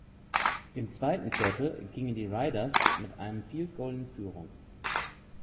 Im zweiten Viertel gingen die Raiders mit einem Field Goal in Führung.